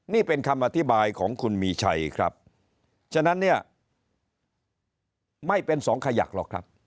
นี่เป็นคำอธิบายของคุณมีชัยครับฉะนั้นเนี่ยไม่เป็นสองขยักหรอกครับ